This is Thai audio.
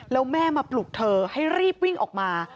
แล้วแม่มาปลุกเธอให้รีบวิ่งออกมา